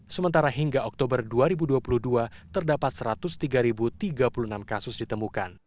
sementara hingga oktober dua ribu dua puluh dua terdapat satu ratus tiga tiga puluh enam kasus ditemukan